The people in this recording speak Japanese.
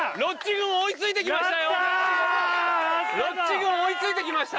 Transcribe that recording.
やったぞロッチ軍追いついてきました